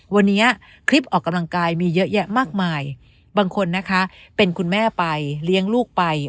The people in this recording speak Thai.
วันนี้คลิปออกกำลังกายมีเยอะแยะมากมายบางคนนะคะเป็นคุณแม่ไปเลี้ยงลูกไป